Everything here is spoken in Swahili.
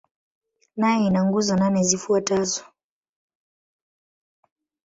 Nayo ina nguzo nane zifuatazo.